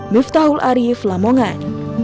miftahul arief lamongan